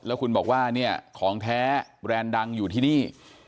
แล้วคุณบอกว่าเนี่ยของแท้แบรนด์ดังอยู่ที่นี่